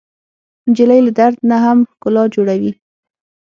نجلۍ له درد نه هم ښکلا جوړوي.